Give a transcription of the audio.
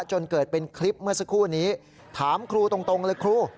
จนเกิดเป็นคลิปเมื่อสักครู่นี้ถามครูตรงเลยครู